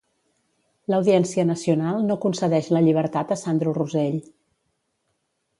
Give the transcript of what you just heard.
L'Audiència Nacional no concedeix la llibertat a Sandro Rosell.